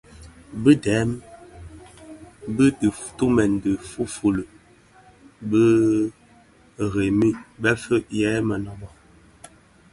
Bi dèm bi dhi tumèn bë fuufuli bë dhemi remi bëfëëg yè mënōbō.